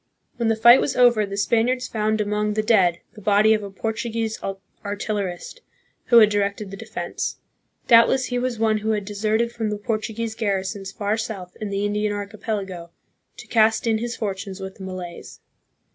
When the fight was over the Spaniards found among the dead the body of a Portuguese artillerist, who had directed the defense. Doubtless he was one who had deserted from the Portu guese garrisons far south in the Indian archipelago to cast in his fortunes with the Malays.